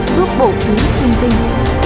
giúp bổ phí sinh tinh